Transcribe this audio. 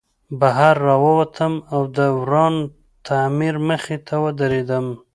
بهر راووتم او د وران تعمیر مخې ته ودرېدم